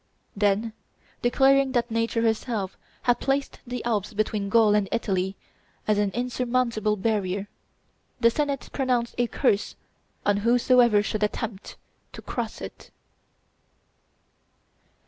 Then, declaring that nature herself had placed the Alps between Gaul and Italy as an insurmountable barrier, the Senate pronounced "a curse on whosoever should attempt to cross it."